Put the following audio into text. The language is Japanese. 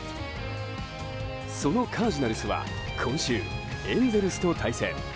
そのカージナルスは今週、エンゼルスと対戦。